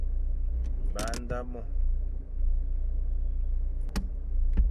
Ba nda mo,